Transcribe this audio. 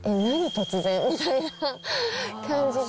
突然、みたいな感じで。